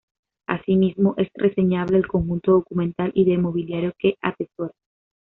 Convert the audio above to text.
Asimismo, es reseñable el conjunto documental y de mobiliario que atesora.